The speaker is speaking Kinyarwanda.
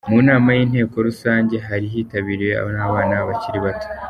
Mu nama y'inteko rusange hari hitabiriye n'abana bakiri bato .